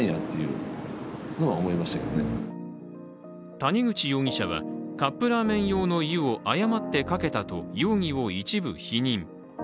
谷口容疑者は、カップラーメン用の湯を誤ってかけたと容疑を一部否認。